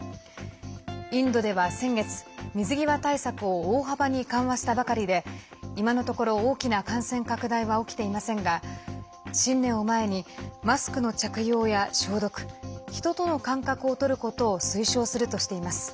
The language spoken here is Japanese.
インドでは先月、水際対策を大幅に緩和したばかりで今のところ大きな感染拡大は起きていませんが新年を前に、マスクの着用や消毒人との間隔をとることを推奨するとしています。